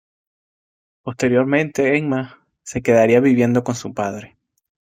Posteriormente, Emma se quedaría viviendo con su padre.